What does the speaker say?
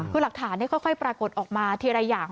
คือหลักฐานค่อยปรากฏออกมาทีละอย่าง